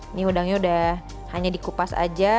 ini udangnya udah hanya dikupas aja